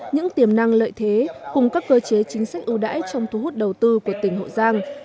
những tiềm năng lợi thế cùng các cơ chế chính sách ưu đãi trong thu hút đầu tư của tỉnh hậu giang